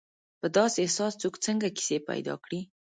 په داسې احساس څوک څنګه کیسې پیدا کړي.